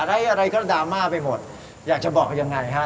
อะไรก็ดราม่าไปหมดอยากจะบอกยังไงฮะ